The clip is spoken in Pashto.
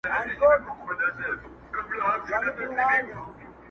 راباندي گرانه خو يې.